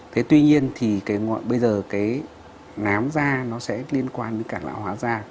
thế tuy nhiên thì cái bây giờ cái nám da nó sẽ liên quan đến cả lão hóa da